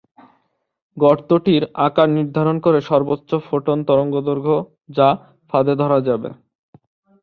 গর্তটির আকার নির্ধারণ করে সর্বোচ্চ ফোটন তরঙ্গদৈর্ঘ্য যা ফাঁদে ধরা যাবে।